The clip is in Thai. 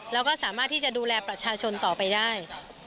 แล้วก็สามารถที่จะดูแลประชาชนต่อไปได้